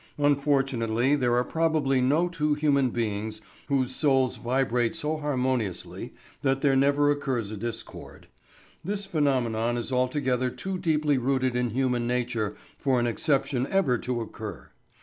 Unfortunately there are probably no two human beings whose souls vibrate so harmoniously that there never occurs a discord. This phenomenon is altogether too deeply rooted in human nature for an exception ever to occur.